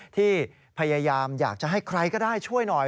ที่พยายามอยากจะให้ใครก็ได้ช่วยหน่อย